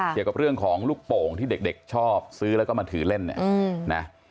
เกี่ยวกับเรื่องของลูกโป่งที่เด็กชอบซื้อแล้วก็มาถือเล่นเนี่ยนะ